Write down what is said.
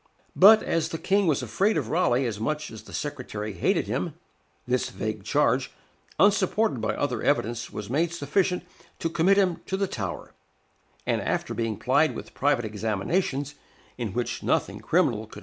But as the King was afraid of Raleigh as much as the secretary hated him, this vague charge, unsupported by other evidence, was made sufficient to commit him to the Tower; and, after being plied with private examinations, in which nothing criminal could be elicited, he was brought to trial, November 17, 1603.